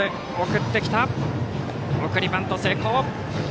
送りバント成功。